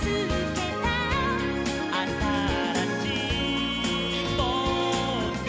「あたらしいぼく」